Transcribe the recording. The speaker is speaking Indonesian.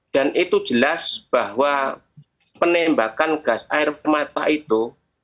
dan itu jelas bahwa penembakan gas air pemata itu